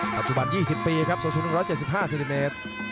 ปัจจุบัน๒๐ปีครับส่วนศูนย์๑๗๕เซติเมตร